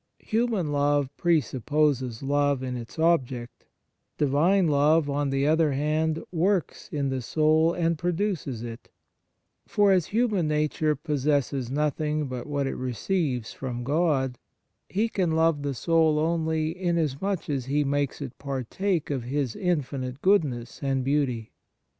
Human love presupposes love in its object ; Divine love, on the other hand, works in the soul and produces it : for as human nature possesses nothing but what it receives from God, He can love the soul only, inasmuch as He makes it partake of His infinite goodness and beauty.